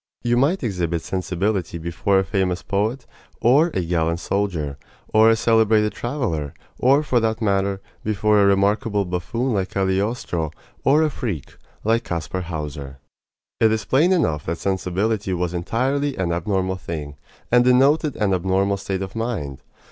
You might exhibit sensibility before a famous poet, or a gallant soldier, or a celebrated traveler or, for that matter, before a remarkable buffoon, like Cagliostro, or a freak, like Kaspar Hauser. It is plain enough that sensibility was entirely an abnormal thing, and denoted an abnormal state of mind.